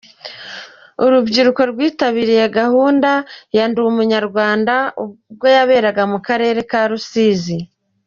Urubyiruko rwitabiriye gahunda "Ndi Umunyarwanda" ubwo yaberega mu karere ka Rusizi.